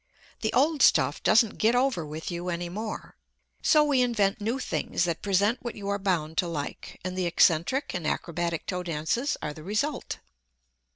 The old stuff doesn't "get over" with you any more. So we invent new things that present what you are bound to like, and the eccentric and acrobatic toe dances are the result.